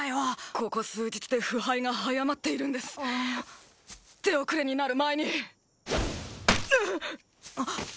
ここ数日で腐敗が早まっているんです手遅れになる前にうっ！